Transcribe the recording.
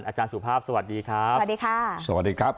อาจารย์สุภาพสวัสดีครับสวัสดีค่ะสวัสดีครับ